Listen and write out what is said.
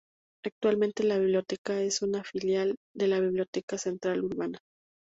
Actualmente la biblioteca es una filial de la Biblioteca Central Urbana.